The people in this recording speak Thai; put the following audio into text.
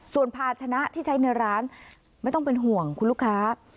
ส่วนภาชนะที่ใช้ในร้านไม่ต้องเป็นห่วงคุณลูกค้า